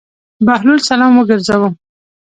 بهلول سلام وګرځاوه.